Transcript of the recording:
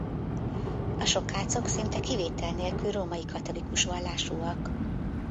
A sokácok szinte kivétel nélkül római katolikus vallásúak.